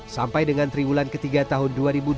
sampai dengan triwulan ketiga tahun dua ribu dua puluh